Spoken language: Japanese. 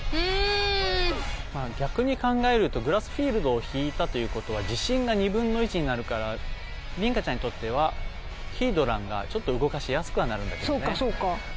逆に考えるとグラスフィールドをひいたということはじしんが２分の１になるから凜香ちゃんにとってはヒードランがちょっと動かしやすくはなるんだけどね。